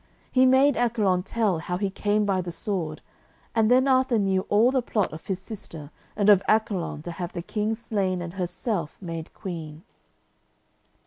He made Accolon tell how he came by the sword, and then Arthur knew all the plot of his sister and of Accolon to have the King slain and herself made queen.